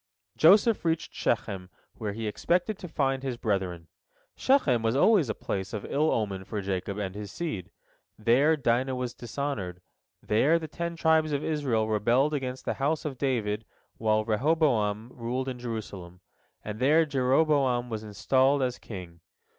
Joseph reached Shechem, where he expected to find his brethren. Shechem was always a place of ill omen for Jacob and his seed—there Dinah was dishonored, there the Ten Tribes of Israel rebelled against the house of David while Rehoboam ruled in Jerusalem, and there Jeroboam was installed as king.